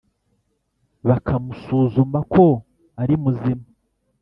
bakamusuzuma ko ari muzima